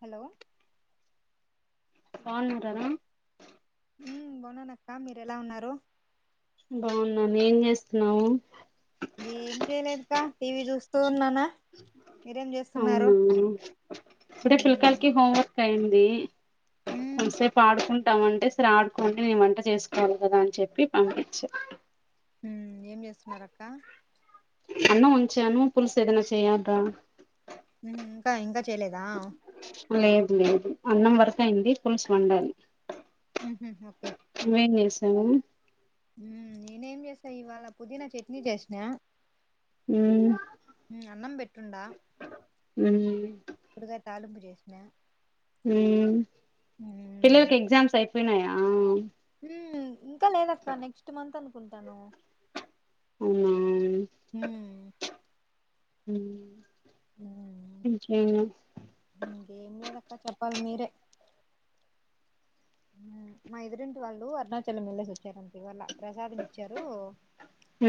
Hello పాలు తాగుతారా ఉమ్ బావున్న అక్క మీరు ఎలా ఉన్నారు బాగున్నాను ఏం చేస్తున్నావు ఏం చేయలేదు అక్క టీవీ చూస్తూ ఉన్నానా మీరేం చేస్తున్నారు అవునా అంటే ఉమ్ పిల్లకాయలకి హోం వర్క్ అయింది కొంతసేపు ఆడుకుంట ంటామంటే సరే ఆడుకోండి నే వంట చేసుకోవాలి కదా అని చెప్పి పంపించా ఉమ్ ఏం చేస్తున్నారు అక్క అన్నం ఉంచాను పులుసు ఏదైనా చేయేదాం ఉహుమ్ ఇంకా ఇంకా చేయలేదా లేదు లేదు అన్నం వరక అయింది పులుసు వండాలి ఊహు ఓకే హలో హ్మ్మ్ నేనేం చేసా ఇవాళ పుదీనా చట్నీ చేసినా మ్మ్ ఉ అన్నం పెట్టుండ మ్మ్ కట్ తాలిపు చేసిన ఉ పిల్లలకి ఎగ్జామ్స్ అయిపోయినాయా ఉ ఇంకా లేదక్క నెక్స్ట్ మంత్ అనుకుంటాను అవునా హమ్ హమ్ హ ఏంలేదాక్క చెప్పాల మీరే ఉ మా ఎదురింటి వాళ్ళు అరుణాచలం వెళ్ళేసి వచ్చారండి ప్రసాదం ఇచ్చారు హ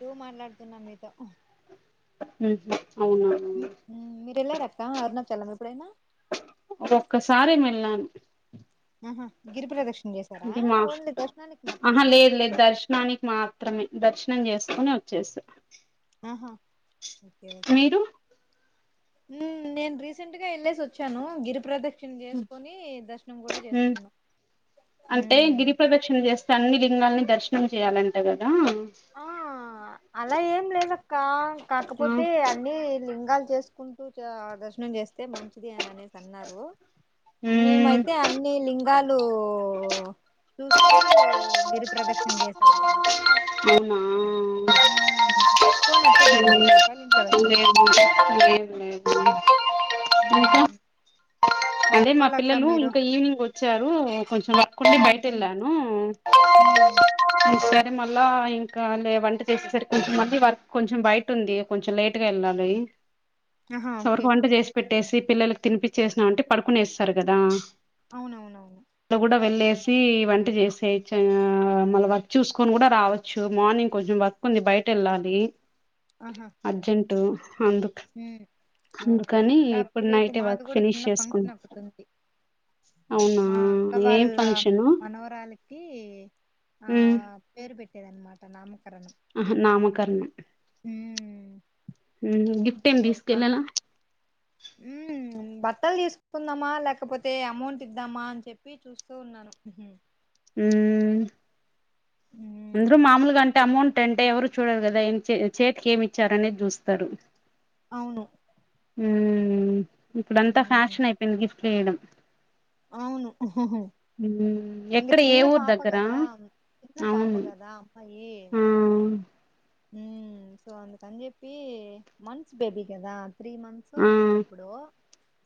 డు మాట్లాడుతున్నా మీతో ఉ మ్మ్ అవునా ఉ మీరు ఏలేరక్క అరుణా చలం ఎప్పుడైనా ఒక్కసారి మేళ్ళను [unintelligible] ఆహా గిరిపరదక్షిణ చేశారా ఇది మా ఓన్లీ దర్శనానికి ఆహా మాత్రమేనా లేదు లేదు దర్శనానికి మాత్రమే దర్శనం చేసుకుని వచ్చేసా ఆహా ఓకేఓకే మీరు ఉ నేను రీసెంట్ గా వెళ్ళేసి వచ్చాను గిరి ప్రదక్షిణ చేసుకుని ద ఉ అంటే ఉమ్. గిరి ప్రదక్షిణ చేస్తే అన్ని లింగాల్ని దర్శనం చేయాలంట గదా ఆ అలా ఏం లేదక్క ఉమ్ కాకపోతే అన్ని లిం రగాలు చేసుకుంటూ చ దర్శనం చేస్తే మంచిది అని అనేసి అన్నారు మేమైతే అన్ని లింగాలూ చూస్తూ గిరి ప్రదక్షిణ చేసాం అనమాట అవునా ఉ ఫోన్ ఎత్తద్దండి సైలెంట్ లో లేదు పేట్టంది [inaudible] హ ఇంకా అదే మా పిల్లలు ఇంకా ఈవినింగ్ వచ్చారు కొంచెంఒక్కడే ఉమ్ బయట ఉమ్ వెళ్ళాను ఉమ్ సర మళ్ళా ఇంకా లే వంట చేసేసరి కొంచెం మళ్ళీ వర్క్ కొంచెం బయట ఉంది కొంచెం లేట్ గా వెళ్ళ లి ఆహా ఓకే చవరికి వంట చేసి పెట్టేసి పిల్లలకి తినిపచ్చేసినా అంటే పడుకునే వస్తారు కదా అవునవునవును అట్లా కూడా వెళ్ళేసి వంట చేసే మళ్ళ వర్క్ చూసుకొని కూడా రావచ్చు మార్నింగ్ కొంచెం వర్క్ ఉంది బయట వెళ్ళాలి ఆహా అర్జెంటట్ అందుకు ఉమ్ ఓకే అందుకని రాప్ ఇప్పుడు రేపు నైటే మాది వర్క్ కూడా ఫినిష్ చిన్న చేసుకున్నా ఫంక్షన్ ఒకటి ఉంది అవునా మా అక్క ఏం వాళ్ళ ఫంక్షను మనవరాలికి ఆ మ్మ్ పేరు పెట్టేదనమాట నామ ఆహా నామకరణ ఉమ్ హు గిఫ్ట్ ఏమి తీసుకెళ్లాల ఉ బట్టలు తీసుకుందామా లేకపోతే అమౌంట్ ఇద్దామా అని చెప్పి చూస్తూ ఉన్నాను హ్యూ హ్మ్మ్ మ్మ్ ముందు మామూలుగా అంటే అమౌంట్ అంటే ఎవరు చూడరు కదా చేతికి ఏమి ఇచ్చారునేది చూస్తారు అవును ఉ ఇప్పుడ అంతా ఉమ్ ఫ్యాషన్ అయిపోయింది గిఫ్ట్లు వేయడం అవును హుహు ఎక్కడ ఏ ఊరు దగ్గరా చిన్న పాప అవును కదా అమ్మాయి ఆ ఉమ్ సో అందుకని చెప్పి మంత్స్ బేబీ కదా త్రీ మంత్స్ ఆ ఏమో ఇప్పుడు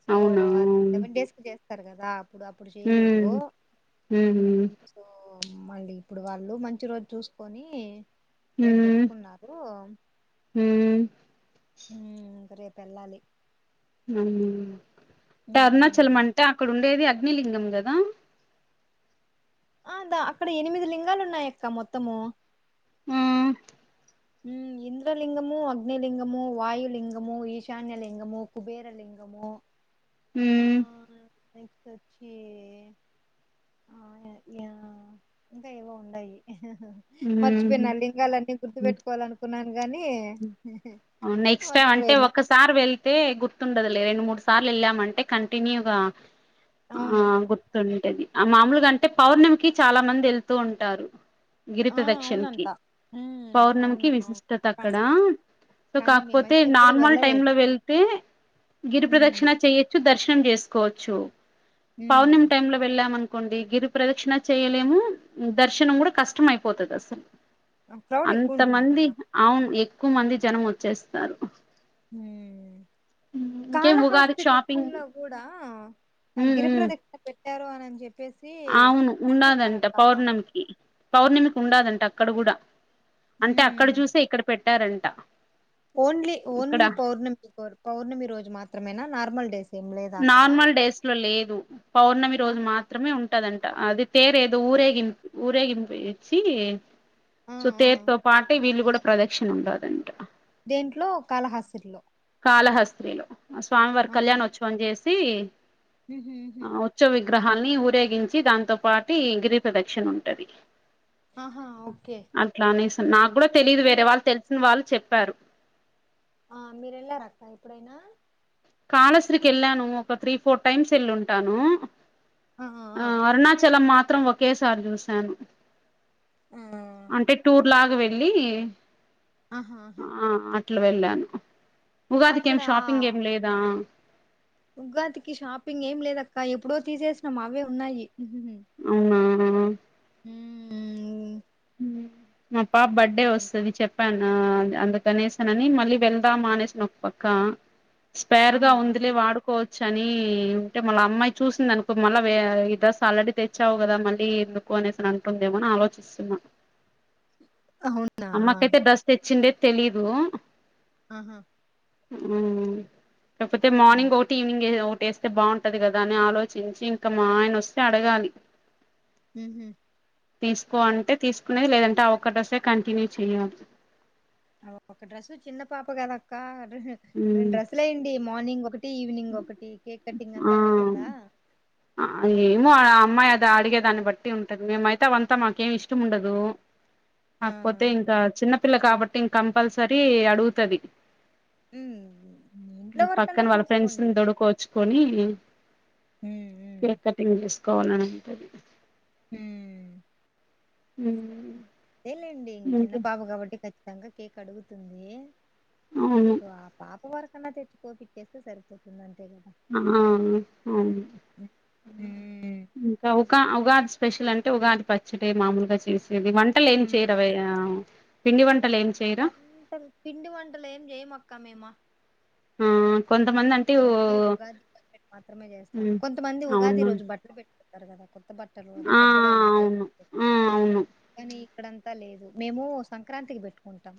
సో అవునా అది సెవెన్ డేస్ కి చేస్తారు కదా ఇప్పుడు అప్పుడు చేయలేదు హమ్ ఉమ్ మళ్ళీ ఇప్పుడు వాళ్ళు మంచి రోజు చూసుకొని రేపు పెట్టుకున్నారు హమ్ ఊ ఇంకా రేపు ఎళ్ళాలి ఆహా అంటే అరుణాచలం అంటే అక్కడ ఉండేది అగ్నిలింగం గద అదా అక్కడ ఎనిమిది లింగాలు ఉన్నాయి ఇక్కడ మొత్తము ఆ హమ్ ఇంద్రలింగము అగ్నిలింగము వాయులింగము ఈశాన్యలింగము కుబేరలింగము అమ్మో హమ్ నాకు వచ్చి ఆ యా ఇంకా ఏవో ఉండాయి మ్మ్ మర్చిపోయిన లింగాలన్నీ గుర్తుపెట్టుకోవాలి అనుకున్నాను గాని నెక్స్ట్ టైం అంటే మర్చిపోయినా ఒకసారి వెళ్తే గుర్తుండదు లే రెండు మూడు సార్లు వెళ్ళామంటే కంటిన్యూగా ఆ అవునవును గుర్తుంటది ఆ మామూలుగా అంటే పౌర్ణమికి చాలా మంది వెళ్తూ ఉంటారు గిరి ఆ ప్రదక్షిణకిి అవునంట ఉమ్ పౌర్ణమికిి అవును అవును విశిష్టత కా అక్కడ సో కానీ కాకపోతే మేమైతే ఎప్పుడు నార్మల్ టైమ్ వెళ్ళలేదు లో వెళ్తే గిరి ఉమ్ ప్రదక్షిణ చేయొచ్చు దర్శనం చేసుకోవచ్చు ఉమ్ పౌర్ణమి టైమ్ లో వెళ్ళామనుకో కోండి గిరి ప్రదక్షిణ చేయలేము దర్శనం కూడా కష్టం అయిపోతది అసలు క్రౌడ్ అంత ఎక్కువ ఉంటుంది మంది కదా అవును ఎక్కువ మంది జనం వచ్చేస్తారు హమ్ ఇంకేం ఉగాదికి కాళహాస్తి షాపింగ్ టెంపుల్ లో కూడా ఆ ఉమ్ గిరిపర ఉమ్ దగ్గర పెట్టారు అనిని చెప్పి అవును ఉండదంట పౌర్ణమికి పౌర్ణమికి ఉండదంట అక్కడ కూడా అంటే అక్కడ మ్మ్ చూసే ఇక్కడ పెట్టారంట ఓన్లీ ఇక్కడ ఓన్లీ పౌర్ణమి పౌర్ణమి రోజు మాత్రమేనా నార్మల్ డేస్ ఏం లేదా అక్కడ నార్మల్ డేస్ లో లేదు పౌర్ణమి రోజు ఆహా. మాత్రమే ఉంటదంట అది తేరు ఏదో ఊరేగింపు ఊరేగింపు వేసి ఆ సో ఆ తేరుతో పాటు వీళ్ళు కూడా ప్రదక్షిణ ఉండదంట దేంట్లో కాళహాసిరులో కాలహస్తీలు స్వామివారి కళ్యాణోత్సవం చేసి ఉహుమ్ ఉహుమ్ గ్రహాన్ని ఊరేగించి దాంతో పాటు గిరి ప్రదక్షిణ ఉంటుది ఆహా ఓకే నాకు కూడా తెలియదు వేరే మీరు వాళ్ళు తెలిసిన వాళ్ళు చెప్పారు ఆ మీరు వెళ్ళారక్క ఎప్పుడైనా కాళశ్రికి వెళ్ళాను ఒక త్రీ ఫోర్ టైమ్స్ వెళ్ళి ఉంటాను ఆ అరుణాచలం మాత్రం ఒకేసారి చూసాను ఆ, అంటే టూర్ లాగా వెళ్ళి ఆహా ఆహా ఆ అట్లా వెళ్ళాను ఉగాదికి ఏం అక్కడ షాపింగ్ ఏం లేదా ఉగాదికి షాపింగ్ ఏం లేదక్క ఎప్పుడో తీసేసినాం అవే ఉన్నాయి ఆమ్ హమ్ ఉమ్ మా పాప బర్త్డే వస్తది చెప్ అందుకనేషన్ అని మళ్ళీ వెళ్దామా మానేసన్ ఒక పక్క స్పేర్ గా అవునా ఉందిలే వాడుకోవచ్చు శని ఉంటే మళ్ళీ అమ్మాయి చూసింది అనుకో మళ్ళా ఈ డ్రెస్ ఆల్రెడీ తెచ్చావు కదా మళ్ళీ ఎందుకు పోనేస్తాను అంటుందేమోని ఆలోచిస్తున్నా అవునా అమ్మకైతే డ్రస్ తెచ్చిండే తెలీదు ఆహా కాకపోతే మార్నింగ్ ఒకటి ఈవనింగ్ టేస్ బాగుంటది కదా అని ఆలోచించి ఇంకా మా ఆయన వస్తే అడగాలి ఉహ తీసుకో అంటే తీసుకునేది లేదంటే ఆ ఒక్క డ్రెస్ ఏ కంటిన్యూ చెయాలి ఒక డ్రెస్సు చిన్న పాప కదక్క రెండు డ్రెస్సులు ఎయండి మార్నింగ్ ఒక తీ ఈవినింగ్ ఒకటి కేక్ కటింగ్ అంతా ఉమ్ ఉంటుందా ఆ ఏమో ఆడ ఆ అమ్మాయి అదా అడిగే దాన్ని బట్టి ఉంటది మేమైతే అవంతా మాకేమి ఇష్టం ఉండదు ఆ కాకపోతే ఇంకా చిన్నపిల్ల కాబట్టి ఇంక కంపల్సరీ అడుగుతది ఉ పక్కన వాళ్ళ ఫ్రెండ్స్ దొడుకోచ్చుకొని ఉమ్ టింగ్ చేసుకోవాలని ఉంటది హ ఉ అంతేలేండి చిన్న పాప కాబట్టి ఖచ్చితంగా కేక్ అడుగుతుంది అవును సో ఆ పాప వరకన్నా తెచ్చి కోపిచ్చేస్తే సరిపోతుందం ఉమ్ ఇంకా ఉకా ఉగాది స్పెషల్ అంటే ఉగాది పచ్చడి మామూలుగా చేసేది వంటలు ఏం చేయరావ పిండి వంట వంటలు పిండి వంటలు ఏం జయమక్క మేమా ఆ కొంతమంది అంటే ఓ ఓన్లీ ఉగాది బె మాత్రమే చేస్తాం మ్ కొంతమంది ఉగాది అవును రోజు బట్టలు పెట్టుకుంటారు కదా కొత్త బట్టలు అది ఆ పెద్ద వాళ్ళకే అవును ఆ అవును కానీ ఇక్కడంతా లేదు మేము సంక్రాంతికి పెట్టుకుంటాం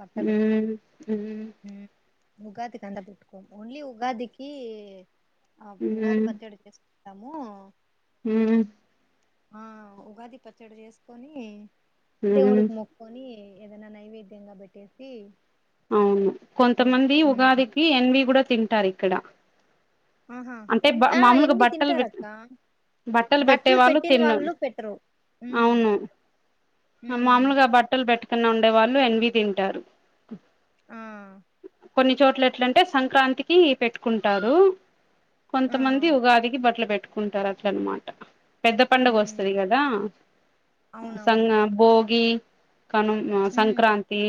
బట్టలు ఉగాది కంద పెట్టుకోం ఓన్లీ ఉగాదికి ఆ ఉగాది పచ్చడి చేసుకో టమో హ ఆ ఉగాది పచ్చడి చేసుకొని మ్ దేవుడుకి మొక్కకొని ఏదనా నైవేద్యంగా పెట్టేసి అవును తినేసి- కొంతమంది ఉమ్. ఉగాదికి ఎన్వి కూడా తింటారు ఇక్కడ ఆహా అంటే ఎన్ బ ఆ మామూలుగా ఎన్వి బట్టలు విట్ తింటారక్క బట్టలు పెట్టేవాళ్ళు పెట్టిన తిన్న వాళ్ళు పెట్టరు ఉమ్ అవును ఉమ్ మామలుగా బట్టలు పెట్టుకున్నా ఉండే వాళ్ళు ఎన్వి తింటారు ఆ కొన్ని చోట్ల ఎట్లంటే సంక్రాంతికి పెట్టుకుంటారు ఆ కొంతమంది ఉగాదికి బట్టలు పెట్టుకుంటారు అట్లనమాట పెద్ద పండుగ ఉమ్ వస్తది కదా అవునవును సంగ భోగి కను ఉమ్ సంక్రాంతి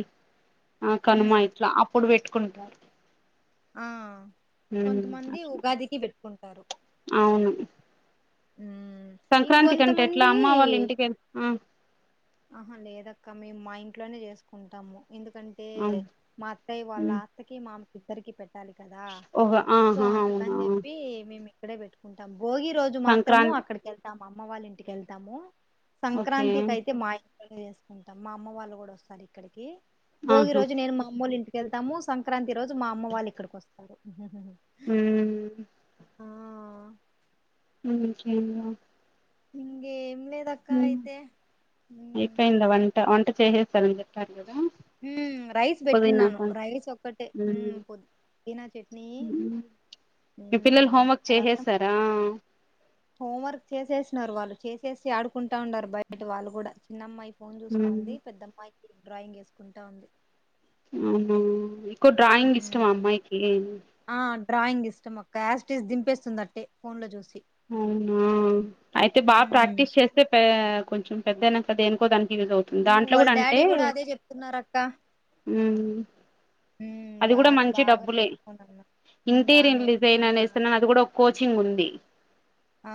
ఆ కనుమ ఉమ్ ఇట్లా అప్పుడు పెట్టుకుంటారు ఆ ఉమ్ కొంతమంది అట్లా ఉగాదికి పెట్టుకుంటు అవును ఉమ్, సంక్రాంతి కంటే ఎట్లా ఇంకొంతమంది అమ్మ వాళ్ళ ఇంటిక ఆహా లేదక్క మేము మా ఇంట్లోనే చేసుకుంటాము ఎందుకంటే అవును మా అత్తాయి వాళ్ళ ఉమ్ అత్తకి మామకి ఇద్దరికి పెట్ట పెట్టాలి కదా ఓహో సో ఆహా అందుకని అవునా చెప్పి మేము ఇక్కడే పెట్టుకుంటాం భోగి రోజు మాత్రము సంక్రాంతి అక్కడికి వెళ్తాము అమ్మ వాళ్ళ ఇంటికిళ్తాము ఓకే సంక్రాంతికి అయితే మా ఇ చేసుకుంటాం మా అమ్మ వాళ్ళు కూడా వస్తారు ఇక్కడికి భోగి ఆహా రోజు నేను మా అమ్మ వాళ్ళ ఇంటికి వెళ్తాము సంక్రాంతి రోజు మా అమ్మ వాళ్ళ ఇక్కకి వస్తారు హ ఆ మ్మ్ హ్మ్ ఎం హ్మ్ అయిపోయిందా వంట వంట చేసేస్తారని చెప్పారు కదా హ్మ్ రైస్ పుదీనా పెట్టున్నాను ప రైస్ ఒక్కటే మ్మ్ ఉమ్ పోదు పొదినా చట్నీ ఉమ్ మీ పిల్లలు ఉమ్, హోంవర్క్ చేసేసారా హోం వర్క్ చేసేసినారు వాళ్ళు చేసేసి ఆడుకుంటా ఉండారు బయట వాళ్ళు కూడా చిన్న అమ్మాయి ఫోన్ చూస్తా ఉమ్ ఉంది పెద్ద అమ్మాయి డ్రాయింగ్ వేసు కుంతోంది అవునా ఎక్కు డ్రాయింగ్ ఇష్టమా అమ్మాయికి ఆ డ్రాయింగ్ ఇష్టం అక్క యాసిటీస్ దింపేస్తుందిందట్టే ఫోన్ లో చూసి అవునా అయితే బాగా ఉమ్ ప్రాక్టీస్ చేస్తే పే కొంచెం పెద్ద అయినాకా దేనికో దానికీ యూస్ అవుతుంది ఉమ్, దాంట్లో వాళ్ళ కూడా అంటే డాడీ కూడా అదే చెప్తున్నారు అక్క మ్మ్ ఉమ్, అది బా కూడా మంచి బాగా డబ్బులే నేర్చుకోనన్న బాగా ఇంటీరియర్ డిజైన్ నేర్చుకోనన్న అనేసి అని అది కూడా ఒక కోర్స్ చింగ్ ఉంది ఆ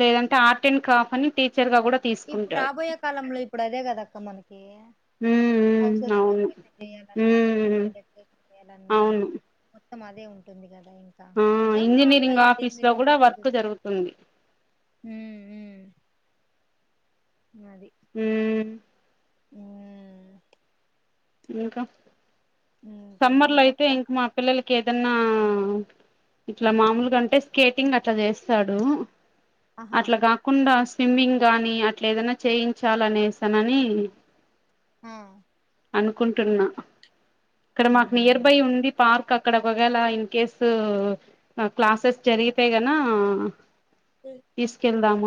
లేదంటే ఆర్ట్ అండ్ క్రాఫ్ట్ అని టీ ఇప్పుడు రాబోయే కాలంలో ఇప్పుడు అదే కదక్క మనకి మ్మ్ మ్మ్ హౌసెస్ అవును డెరేషన్యాలన్నా మ్మ్ పెళ్ళిలకి డెరేషన్ చేయాలి అన్న అవును మొత్తం అదే ఉంటుంది గా ఆ ఇంజనీరింగ్ ఆఫీస్ లో కూడా వర్క్ జరుగుతుంది మ్మ్ మ్మ్ అది మ్మ్ హ్మ ఇంకా సమ్మర్ లో అయితే ఇంకేముండదక్క ఇంకా మా పిల్లలకి ఏ ఆ ఇట్లా మామూలుగాంటే స్కేటింగ్ అట్లా చేస్తాడు ఆహా అట్లా కాకుండా స్విమ్మింగ్ గాని అట్ల ఏదైనా చేయించాలనేసానని ఆ అనుకుంటున్నా ఇక్కడ మాకు నియర్ బై ఉమ్. ఉంది పార్క్ ఆ అక్కడ ఒక వేల ఇన్ కేస్ క్లాసెస్ జరిగి తేగన తిసుకెల్దాము